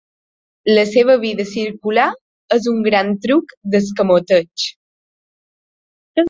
La seva vida circular és un gran truc d'escamoteig.